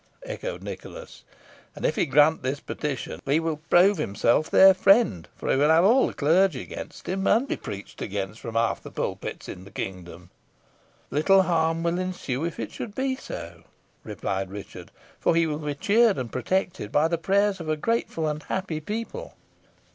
echoed Nicholas; "and if he I grant this petition he will prove himself their friend, for he will I have all the clergy against him, and will be preached against from half the pulpits in the kingdom." "Little harm will ensue if it should be so," replied Richard; "for he will be cheered and protected by the prayers of a grateful and happy people."